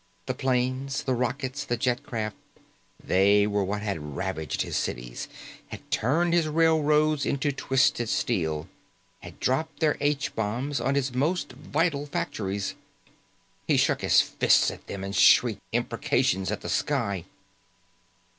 The planes, the rockets, the jet craft, they were what had ravaged his cities, had turned his railroads into twisted steel, had dropped their H Bombs on his most vital factories. He shook his fist at them and shrieked imprecations at the sky.